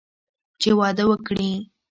چې واده وکړي.